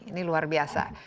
ini luar biasa